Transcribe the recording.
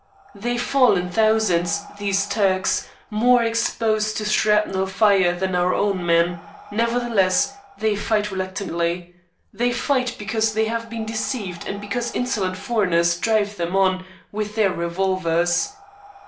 They fall in thousands, these Turks, more exposed to shrapnel fire than our own men; nevertheless they fight reluctantly; they fight because they have been deceived and because insolent foreigners drive them on with their revolvers.